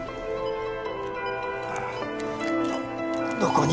どこに？